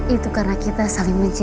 itu karena kita saling mencintai